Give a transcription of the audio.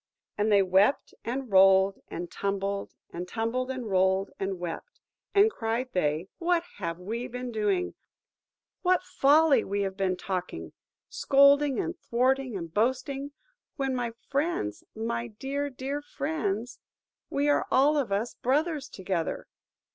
And they wept, and rolled, and tumbled, and tumbled, and rolled, and wept; and cried they, "What have we been doing? What folly have we been talking? Scolding, and thwarting, and boasting, when, my friends–my dear, dear friends–we are all of us brothers together!"